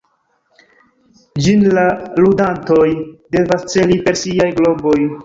Ĝin la ludantoj devas celi per siaj globoj.